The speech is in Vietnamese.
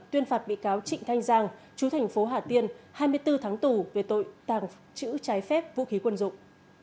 tuyên phạt bị cáo trịnh thanh giang chú thành phố hà tiên hai mươi bốn tháng tù về tội tàng trữ trái phép vũ khí quân dụng